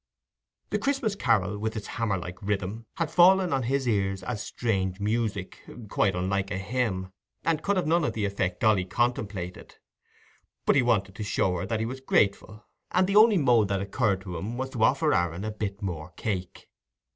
The Christmas carol, with its hammer like rhythm, had fallen on his ears as strange music, quite unlike a hymn, and could have none of the effect Dolly contemplated. But he wanted to show her that he was grateful, and the only mode that occurred to him was to offer Aaron a bit more cake.